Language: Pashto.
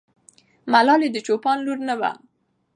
ملالۍ د چوپان لور نه وه.